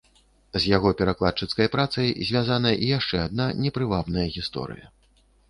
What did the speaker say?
З яго перакладчыцкай працай звязана і яшчэ адна непрывабная гісторыя.